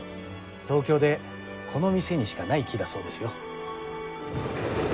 東京でこの店にしかない木だそうですよ。